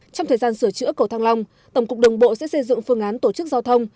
trong thời gian sửa chữa cầu thăng long tổng cục đường bộ sẽ xây dựng phương án tổ chức giao thông